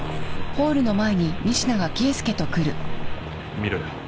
見ろよ。